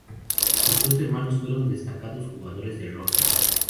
Sus dos hermanos fueron destacados jugadores de rugby.